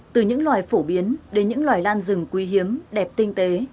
từ những loài phổ biến đến những loài lan rừng quý hiếm đẹp tinh tế